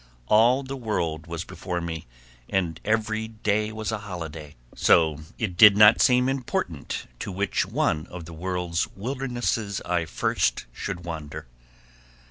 All the world was before me and every day was a holiday, so it did not seem important to which one of the world's wildernesses I first should wander.